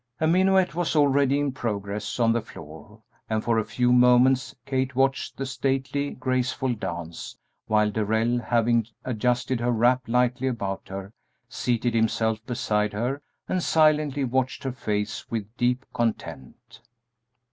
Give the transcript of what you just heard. A minuet was already in progress on the floor, and for a few moments Kate watched the stately, graceful dance, while Darrell, having adjusted her wrap lightly about her, seated himself beside her and silently watched her face with deep content.